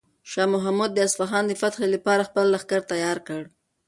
شاه محمود د اصفهان د فتح لپاره خپل لښکر تیار کړ.